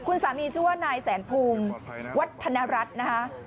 คุณสามีชื่อว่านายแสนภูมิวัฒนรัฐนะคะ